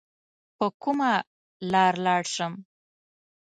په کومه لار لاړ سم؟